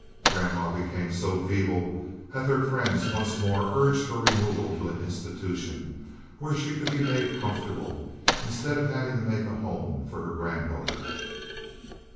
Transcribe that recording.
Grandma became so feeble that their friends once more urged her removal to an institution, where she could be made comfortable, instead of having to make a home for her granddaughter.